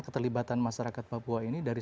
keterlibatan masyarakat papua ini dari